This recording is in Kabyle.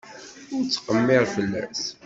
Ur ttqemmir fell-as.